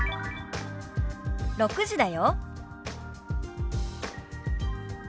「６時だよ」。